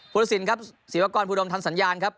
รสินครับศิวากรภูดมทำสัญญาณครับ